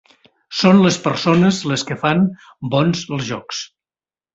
Són les persones les que fan bons els jocs.